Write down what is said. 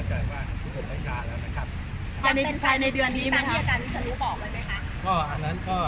๖หรือ๗ตำแหน่งครับ